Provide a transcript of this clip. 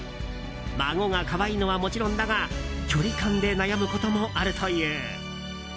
孫が可愛いのはもちろんだが距離感で悩むこともあるという。